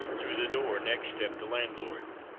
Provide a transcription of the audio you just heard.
Through the door next stepped the landlord.